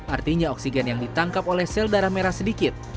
artinya oksigen yang ditangkap oleh sel darah merah sedikit